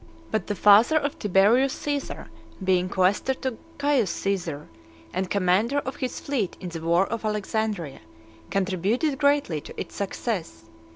IV. But the father of Tiberius Caesar, being quaestor to Caius Caesar, and commander of his fleet in the war of Alexandria, contributed greatly to its success.